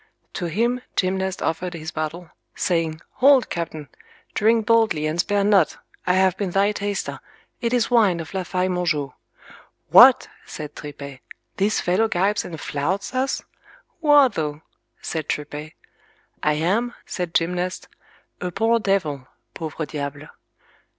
To him Gymnast offered his bottle, saying, Hold, captain, drink boldly and spare not; I have been thy taster, it is wine of La Faye Monjau. What! said Tripet, this fellow gibes and flouts us? Who art thou? said Tripet. I am, said Gymnast, a poor devil (pauvre diable).